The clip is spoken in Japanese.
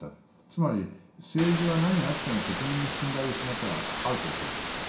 つまり政治は何があっても国民の信頼を失ったらアウトだと思うんですよ。